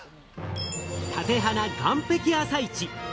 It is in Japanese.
館鼻岸壁朝市。